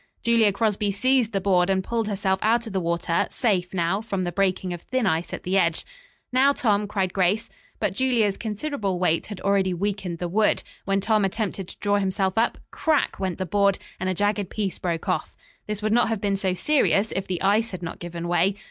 Julia Crosby seized the board and pulled herself out of the water, safe, now, from the breaking of thin ice at the edge. "Now, Tom," cried Grace. But Julia's considerable weight had already weakened the wood. When Tom attempted to draw himself up, crack! went the board, and a jagged piece broke off. This would not have been so serious if the ice had not given way.